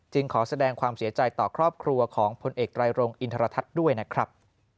ขอแสดงความเสียใจต่อครอบครัวของพลเอกไรรงอินทรทัศน์ด้วยนะครับ